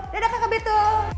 dadah kakak beto